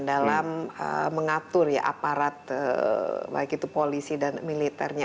dalam mengatur ya aparat baik itu polisi dan militernya